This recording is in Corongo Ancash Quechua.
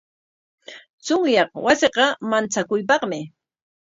Chunyaq wasiqa manchakuypaqmi.